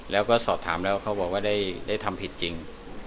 แล้วก็สอบถามแล้วเขาบอกว่าได้ทำผิดจริง